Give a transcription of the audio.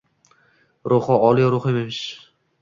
Ruhi — oliy ruh emish.